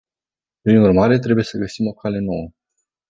Prin urmare, trebuie să găsim o cale nouă.